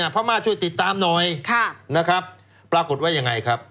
พระม่าช่วยติดตามหน่อยปรากฎว่ายังไงครับ